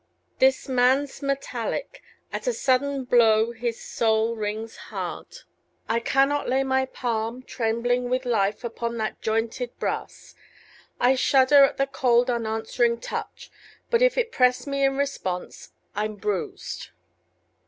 This man's metallic; at a sudden blow His soul rings hard. I cannot lay my palm, Trembling with life, upon that jointed brass. I shudder at the cold unanswering touch; But if it press me in response, I'm bruised.